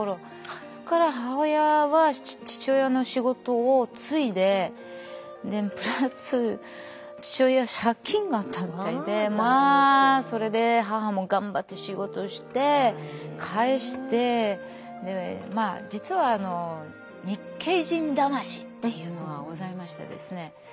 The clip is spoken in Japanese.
そこから母親は父親の仕事を継いでプラス父親は借金があったみたいでまあそれで母も頑張って仕事して返して実は日系人魂っていうのがございましてですね